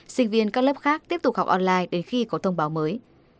sinh viên các lớp khác tiếp tục học online đến khi có thông báo mới